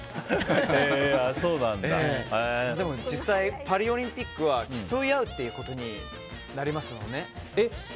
でも、実際パリオリンピックは競い合うということになりますもんね。